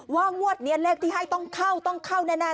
งวดนี้เลขที่ให้ต้องเข้าต้องเข้าแน่